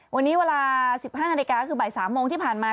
วันนี้เวลา๑๕นาฬิกาคือบ่าย๓โมงที่ผ่านมา